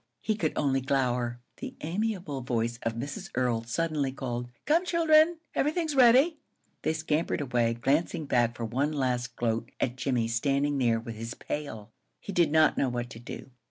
He could only glower. The amiable voice of Mrs. Earl suddenly called: "Come, children! Everything's ready!" They scampered away, glancing back for one last gloat at Jimmie standing there with his pail. He did not know what to do.